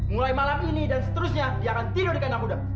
mulai malam ini dan seterusnya dia akan tidur di kandang muda